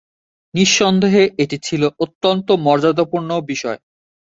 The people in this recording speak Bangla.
নিঃসন্দেহে এটি ছিল অত্যন্ত মর্যাদাপূর্ণ বিষয়।